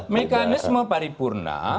mekanisme pari purna